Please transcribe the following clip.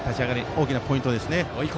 大きなポイントですね。